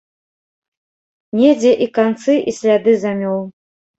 Недзе і канцы і сляды замёў.